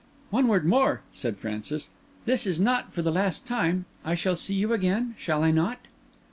"One word more," said Francis. "This is not for the last time—I shall see you again, shall I not?"